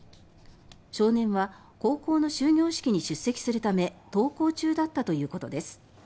少年は高校の終業式に出席するため登校中だったということです。